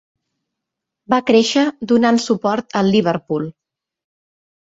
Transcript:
Va créixer donant suport al Liverpool.